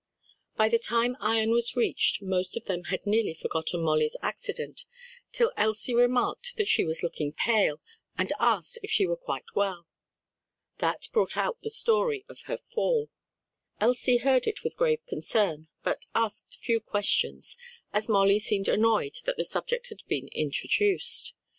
By the time Ion was reached, most of them had nearly forgotten Molly's accident, till Elsie remarked that she was looking pale, and asked if she were quite well. That brought out the story of her fall. Elsie heard it with grave concern but asked few questions as Molly seemed annoyed that the subject had been introduced.